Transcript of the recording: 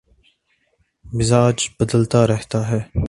مزاج بدلتا رہتا ہے